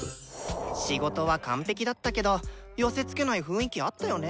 仕事は完ペキだったけど寄せつけない雰囲気あったよね。